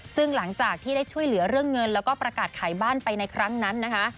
ซึ่งหลังจากที่ได้ช่วยเหลือเรื่องเงินแล้วก็ประกาศขายบ้านไปในครั้งนั้นนะคะ